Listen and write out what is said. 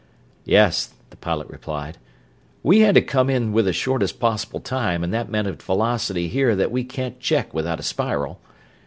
"Yes," the pilot replied. "We had to come in in the shortest possible time, and that meant a velocity here that we can't check without a spiral.